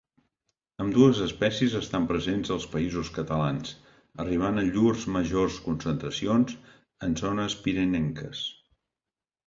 Ambdues espècies estan presents als Països Catalans, arribant a llurs majors concentracions en zones pirinenques.